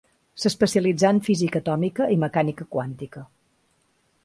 S'especialitzà en física atòmica i mecànica quàntica.